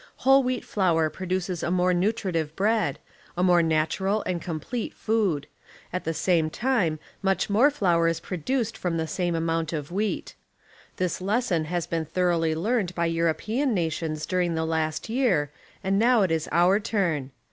Wlioh wheat flour produces a more nutritive bread, a more natural and complete food ; at the same time much more flour is produced from the same amount of wheat. This lesson has been thoroughly learned by European nations during the last year, and now it is our turn.